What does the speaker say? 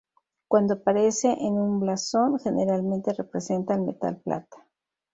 Cuando aparece en un blasón, generalmente representa al metal plata.